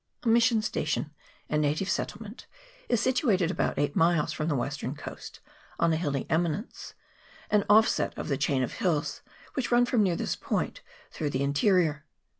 A mission station and native settlement is situated about eight miles from the 216 AWAROA VALLEY. [PART II. western coast, on a hilly eminence, an offset of the chain of hills which run from near this point through the interior.